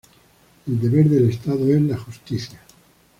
El deber del Estado es la justicia.